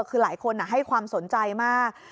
คือหลายคนให้ความสนใจมาก